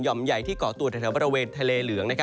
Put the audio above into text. ใหญ่ที่เกาะตัวแถวบริเวณทะเลเหลือง